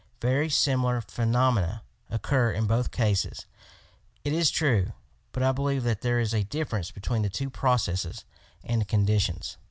Very similar phenomena occur in both cases, it is true, but I believe that there is a difference between the two processes and conditions.